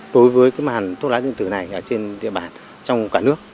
đối với mặt hàng thuốc lá điện tử này trên địa bàn cả nước